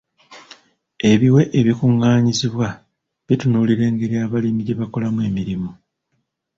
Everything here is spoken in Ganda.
Ebiwe ebikungaanyizibwa bitunuulira engeri abalimi gye bakolamu emirimu.